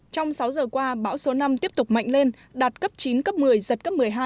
trong sáu giờ qua bão số năm tiếp tục mạnh lên đạt cấp chín cấp một mươi giật cấp một mươi hai